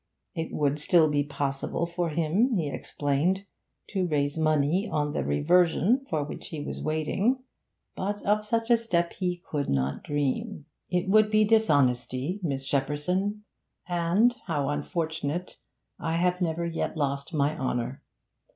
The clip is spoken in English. It would still be possible for him, he explained, to raise money on the reversion for which he was waiting, but of such a step he could not dream. 'It would be dishonesty, Miss Shepperson, and, how unfortunate, I have never yet lost my honour.